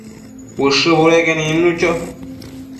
Ushë budeque nidnu cho